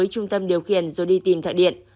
hùng điều khiển rồi đi tìm thợ điện